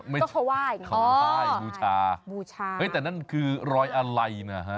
ก็เขาว่ายอย่างนี้ครับอ๋อบูชาแต่นั่นคือรอยอะไรนะฮะ